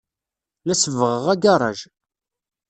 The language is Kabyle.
La sebbɣeɣ agaṛaj.